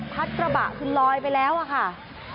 กระบะคือลอยไปแล้วอะค่ะ